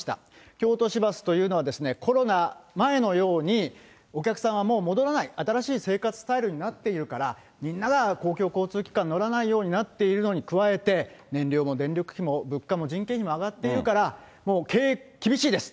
京都市バスというのは、コロナ前のようにお客さんはもう戻らない、新しい生活スタイルになっているから、みんなが公共交通機関に乗らないようになっているのに加えて、燃料も電力費も物価も人件費も上がっているから、もう経営厳しいです。